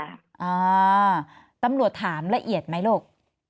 อ่าตำรวจถามละเอียดไหมลูก